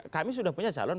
kami sudah punya calon